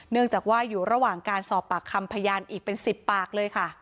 เนื่องจากว่าอยู่ระหว่างการสอบปากคำพยานอีกเป็น๑๐ปากเลยค่ะ